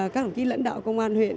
các lãnh đạo công an huyện